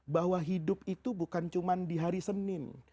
bahwa hidup itu bukan cuma di hari senin